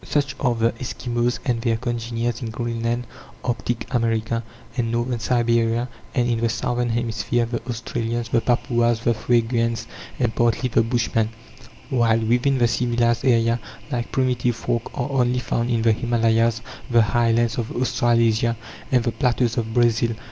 Such are the Eskimos and their congeners in Greenland, Arctic America, and Northern Siberia; and, in the Southern hemisphere, the Australians, the Papuas, the Fuegians, and, partly, the Bushmen; while within the civilized area, like primitive folk are only found in the Himalayas, the highlands of Australasia, and the plateaus of Brazil.